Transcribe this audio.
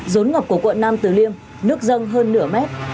rốn ngập của quận nam tử liêm nước dâng hơn nửa mét